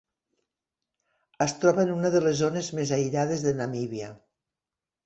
Es troba en una de les zones més aïllades de Namíbia.